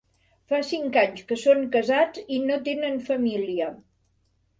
Fa cinc anys que són casats i no tenen família.